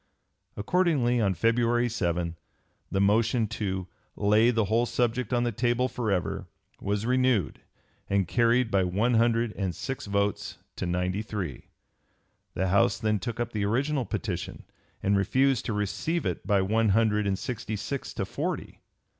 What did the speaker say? Accordingly on February 7 the motion to "lay the whole subject on the table forever" was (p. 288) renewed and carried by one hundred and six votes to ninety three. The House then took up the original petition and refused to receive it by one hundred and sixty six to forty.